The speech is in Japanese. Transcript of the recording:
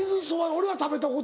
俺は食べたことない。